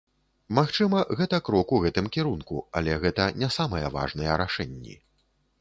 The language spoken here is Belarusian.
Магчыма, гэта крок у гэтым кірунку, але гэта не самыя важныя рашэнні.